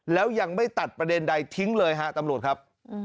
แล้วยังไม่ตัดประเด็นใดทิ้งเลยฮะตำรวจครับ